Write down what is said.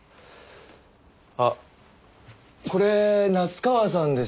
あっこれ夏河さんですよね？